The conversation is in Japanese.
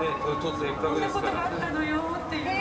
「こんなことがあったのよ」っていう。